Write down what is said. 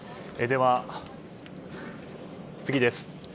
では次です。